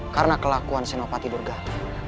karena kelakuan senopati durgala